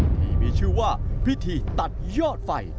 ที่มีชื่อว่าพิธีตัดยอดไฟ